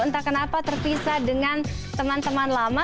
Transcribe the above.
entah kenapa terpisah dengan teman teman lama